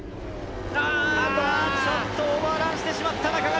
ちょっとオーバーランしてしまった中上。